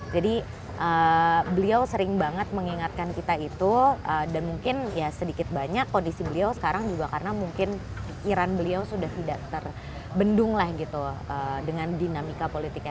jadi beliau sering banget mengingatkan kita itu dan mungkin ya sedikit banyak kondisi beliau sekarang juga karena mungkin pikiran beliau sudah tidak terbendung lah gitu dengan dinamika politiknya